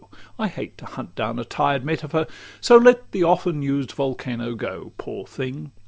I hate to hunt down a tired metaphor, So let the often used volcano go. Poor thing!